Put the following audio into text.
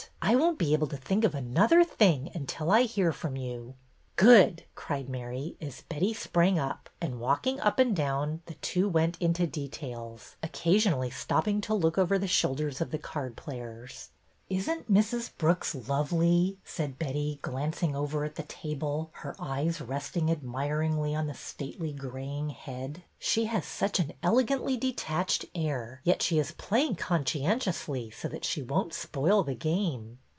I won't be able to think of another thing until I hear from you." '' Good !" cried Mary, as Betty sprang up, and, walking up and down, the two went into details, occasionally stopping to look over the shoulders of the card players. '' Is n't Mrs. Brooks lovely! " said Betty, glanc ing over at the table, her eyes resting admiringly on the stately, graying head. '' She has such an elegantly detached air, yet she is playing con scientiously so that she won't spoil the game."